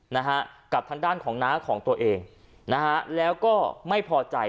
นะฮะกับทางด้านของน้าของตัวเองนะฮะแล้วก็ไม่พอใจ